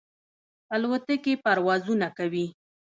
الوتکې پروازونه کوي.